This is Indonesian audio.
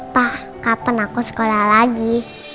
pak kapan aku sekolah lagi